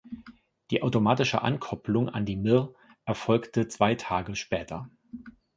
Die automatische Ankopplung an die Mir erfolgte zwei Tage später.